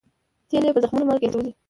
تل یې په زخمونو مالگې اچولې